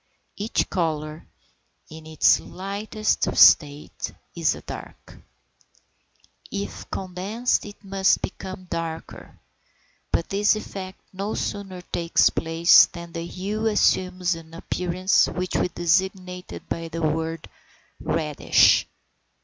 Each colour, in its lightest state, is a dark; if condensed it must become darker, but this effect no sooner takes place than the hue assumes an appearance which we designate by the word reddish.